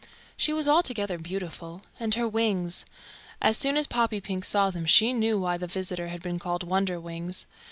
She was altogether beautiful; and her wings as soon as Poppypink saw them she knew why the visitor had been called Wonderwings.